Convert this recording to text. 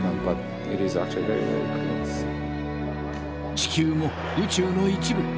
地球も宇宙の一部。